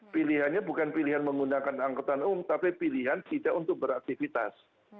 pilihannya bukan pilihan menggunakan angkutan umum tapi pilihan tidak untuk beraktivitas